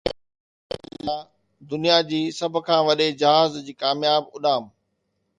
wing spin جي لحاظ کان دنيا جي سڀ کان وڏي جهاز جي ڪامياب اڏام